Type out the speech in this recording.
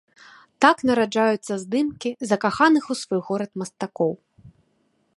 Так нараджаюцца здымкі закаханых у свой горад мастакоў.